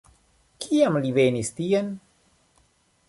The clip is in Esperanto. Kiam li venis tien?